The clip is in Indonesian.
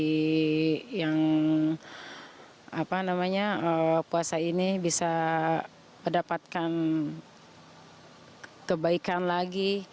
saya mudah mudahan di hari hari yang puasa ini bisa mendapatkan kebaikan lagi